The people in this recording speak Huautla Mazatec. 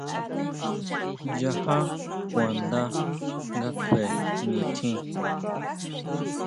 Nchajá kuanda nga kjue nitjín.